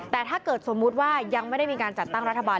แต่ถ้าเกิดสมมุติว่ายังไม่ได้มีการจัดตั้งรัฐบาล